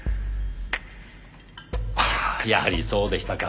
ああやはりそうでしたか。